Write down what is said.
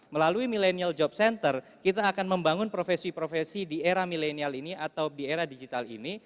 melalui milenial job center kita akan membangun profesi profesi di era milenial ini atau di era digital ini